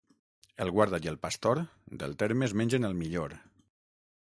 El guarda i el pastor, del terme es mengen el millor.